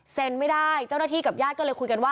ไม่ได้เจ้าหน้าที่กับญาติก็เลยคุยกันว่า